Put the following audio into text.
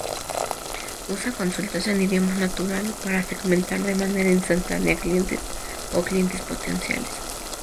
Usa consultas en idioma natural para segmentar de manera instantánea clientes o clientes potenciales.